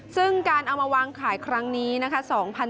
ซึ่งการเอามาวางขายครั้งนี้นะคะ